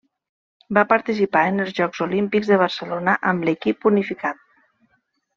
Va participar en els Jocs Olímpics de Barcelona amb l'Equip unificat.